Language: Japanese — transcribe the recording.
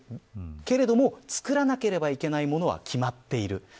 けれども作らなければいけないものは決まっている。